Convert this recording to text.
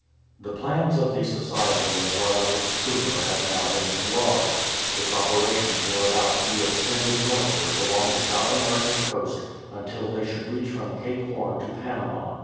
The plans of the Society as well as its schooner had now been enlarged. Its operations were about to be 264 THE NEW EXPEDITION extended northwards along the South American coast until they should reach from Cape Horn to Panama.